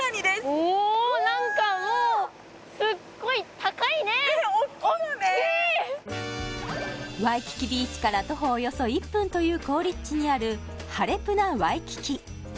おっきいワイキキビーチから徒歩およそ１分という好立地にあるハレプナワイキキ